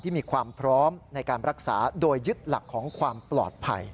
มีความพร้อมในการรักษาโดยยึดหลักของความปลอดภัย